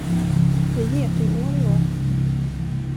Det är getingår i år.